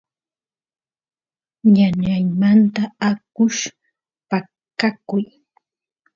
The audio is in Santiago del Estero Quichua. ñañaymanta akush paqakuy